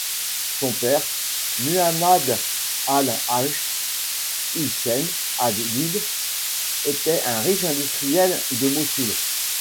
Son père, Muhammad al-Hajj Husayn Hadid, était un riche industriel de Mossoul.